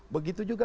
begitu juga ks